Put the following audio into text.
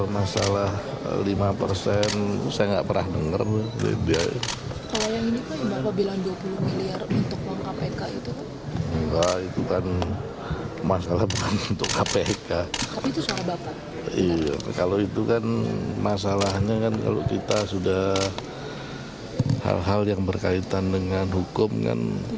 masalahnya kan kalau kita sudah hal hal yang berkaitan dengan hukum kan